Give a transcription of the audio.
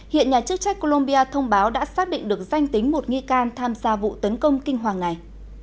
hiện nhà chức trách colombia thông báo đã xác định được danh tính một nghi can tham gia vụ tấn công kinh hoàng này